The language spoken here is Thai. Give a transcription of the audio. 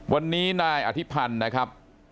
วันนี้นายอธิพันธ์นะครับ